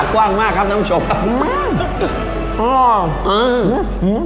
อร่อยเชียบแน่นอนครับอร่อยเชียบแน่นอนครับ